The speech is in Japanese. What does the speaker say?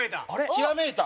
ひらめいた。